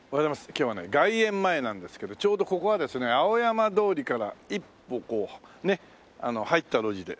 今日はね外苑前なんですけどちょうどここはですね青山通りから一歩こうね入った路地で。